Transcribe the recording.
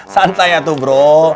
santai ya tuh bro